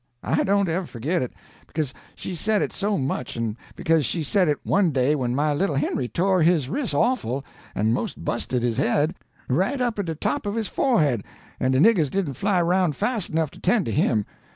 I don't ever forgit it, beca'se she said it so much, an' beca'se she said it one day when my little Henry tore his wris' awful, and most busted 'is head, right up at de top of his forehead, an' de niggers didn't fly aroun' fas' enough to 'tend to him.